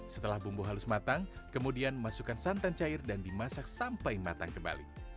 setelah bumbu halus matang kemudian masukkan santan cair dan dimasak sampai matang kembali